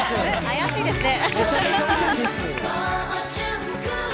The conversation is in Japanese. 怪しいですね。